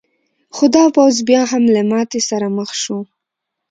خو دا پوځ بیا هم له ماتې سره مخ شو.